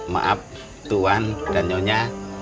maaf tuan dan nyonya